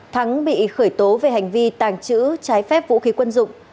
thắng bị khởi tố về hành vi tàng trữ trái phép vũ khí quân dụng